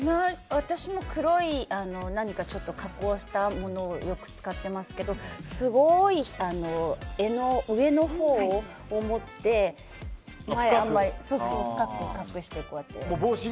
私も黒いちょっと加工したものをよく使っていますけどすごい柄の上のほうを持って深く隠して、歩いてます。